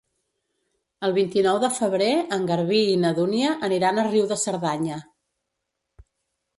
El vint-i-nou de febrer en Garbí i na Dúnia aniran a Riu de Cerdanya.